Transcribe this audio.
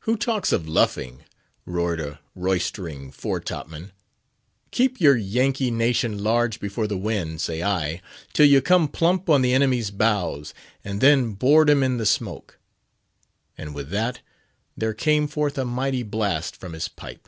"Who talks of luffing?" roared a roystering fore top man. "Keep our Yankee nation large before the wind, say I, till you come plump on the enemy's bows, and then board him in the smoke," and with that, there came forth a mighty blast from his pipe.